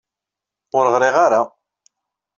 Ur ɣṛiɣ ara.